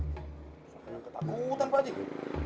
kenapa ketakutan pak